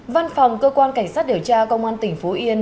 văn phòng cơ quan cảnh sát điều tra công an tỉnh phú yên